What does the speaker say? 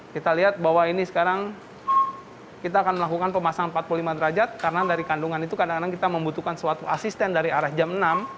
kita lihat bahwa ini sekarang kita akan melakukan pemasangan empat puluh lima derajat karena dari kandungan itu kadang kadang kita membutuhkan suatu asisten dari arah jam enam